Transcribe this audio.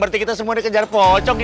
berarti kita semua dikejar pocong ya